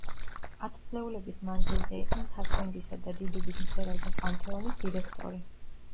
ათწლეულების მანძილზე იყო მთაწმინდისა და დიდუბის მწერალთა პანთეონის დირექტორი.